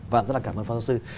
vâng rất là cảm ơn phó giáo sư